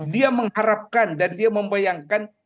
dia mengharapkan dan dia membayangkan